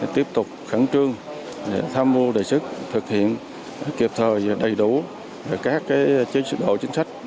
tiếp tục khẩn trương tham mưu đề sức thực hiện kịp thời và đầy đủ các chế độ chính sách